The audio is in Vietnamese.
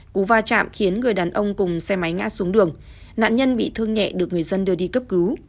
cú va chạm khiến người đàn ông cùng xe máy ngã xuống đường nạn nhân bị thương nhẹ được người dân đưa đi cấp cứu